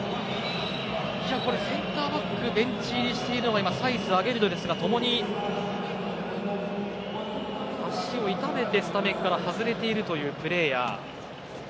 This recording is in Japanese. センターバックベンチ入りしているのはサイスとアゲルドですが共に足を痛めてスタメンから外れているというプレーヤー。